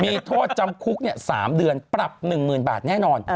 มีโทษจำคุก๓เดือนปรับ๑๐๐๐บาทแน่นอน